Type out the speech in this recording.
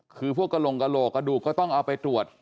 คือพวกกระโลกระโดกก็ต้องเอาไปตรวจ